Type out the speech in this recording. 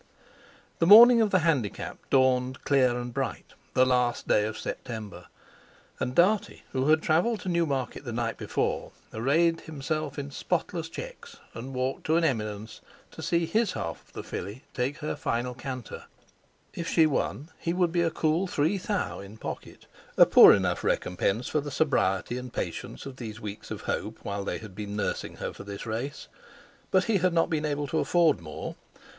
The morning of the Handicap dawned clear and bright, the last day of September, and Dartie who had travelled to Newmarket the night before, arrayed himself in spotless checks and walked to an eminence to see his half of the filly take her final canter: If she won he would be a cool three thou. in pocket—a poor enough recompense for the sobriety and patience of these weeks of hope, while they had been nursing her for this race. But he had not been able to afford more.